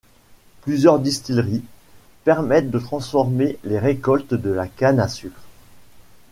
Plusieurs distilleries permettent de transformer les récoltes de la canne à sucre.